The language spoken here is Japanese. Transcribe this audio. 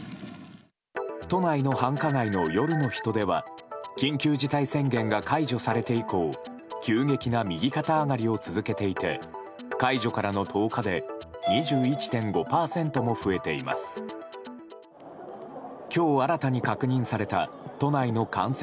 都内の繁華街の夜の人出は緊急事態宣言が解除されて以降急激な右肩上がりを続けていて解除からの１０日で２１．５％も増えています。